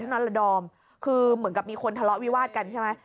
เท่านั้นแหละดอมคือเหมือนกับมีคนทะเลาะวิวาดกันใช่ไหม